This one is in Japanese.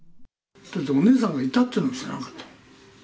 お姉さんがいたっていうのも知らなかった。